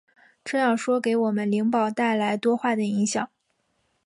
这样说给我们灵宝带来多坏的影响！